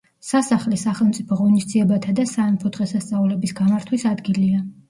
სასახლე სახელმწიფო ღონისძიებათა და სამეფო დღესასწაულების გამართვის ადგილია.